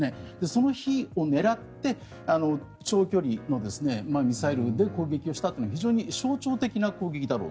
その日を狙って長距離のミサイルで攻撃をしたというのは非常に象徴的な攻撃だろうと。